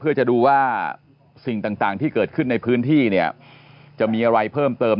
เพื่อจะดูว่าสิ่งต่างที่เกิดขึ้นในพื้นที่เนี่ยจะมีอะไรเพิ่มเติม